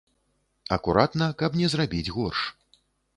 Акуратна, каб не зрабіць горш.